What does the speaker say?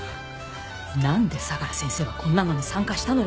なんで相良先生はこんなのに参加したのよ。